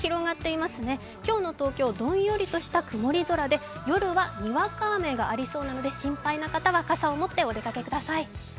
今日の東京、どんよりとした曇り空で夜はにわか雨がありそうなので、心配な方は傘を持ってお出かけください。